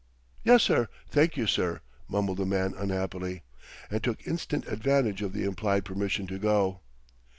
"Yes, sir; thank you, sir," mumbled the man unhappily; and took instant advantage of the implied permission to go.